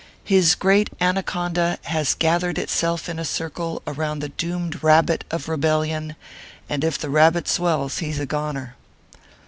His great anaconda has gathered itself in a circle around the doomed rabbit of rebel lion, and if the rabbit swells he s a goner.